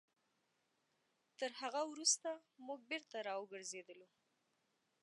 تر هغه وروسته موږ بېرته راوګرځېدلو.